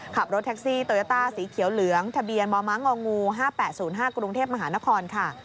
ขับรถแท็กซี่โตโยต้าสีเขียวเหลืองทะเบียนมมง๕๘๐๕กรุงเทพมหานครค่ะ